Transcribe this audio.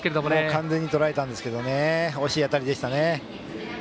完全にとらえたんですが惜しい当たりでした。